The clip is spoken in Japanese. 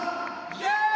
イエーイ！